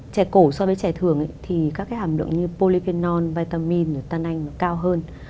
trè cổ so với trè thường thì các hàm lượng như polyphenol vitamin tan anh cao hơn